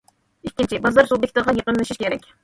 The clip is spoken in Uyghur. ئىككىنچى، بازار سۇبيېكتىغا يېقىنلىشىش كېرەك.